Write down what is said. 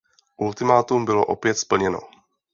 Ultimátum bylo opět splněno.